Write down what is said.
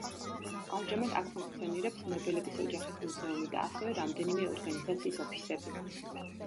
ამჟამად აქ ფუნქციონირებს ნობელების ოჯახის მუზეუმი და ასევე რამდენიმე ორგანიზაციის ოფისები.